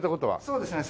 そうですね。